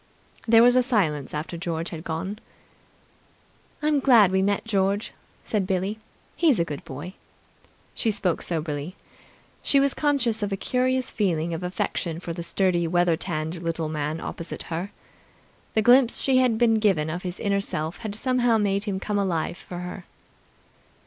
There was a silence after George had gone. "I'm glad we met George," said Billie. "He's a good boy." She spoke soberly. She was conscious of a curious feeling of affection for the sturdy, weather tanned little man opposite her. The glimpse she had been given of his inner self had somehow made him come alive for her.